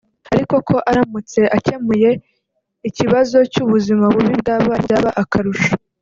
ariko ko aramutse akemuye ikibazo cy’ubuzima bubi bw’abarimu byaba akarusho